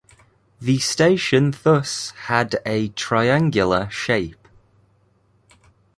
The station thus had a triangular shape.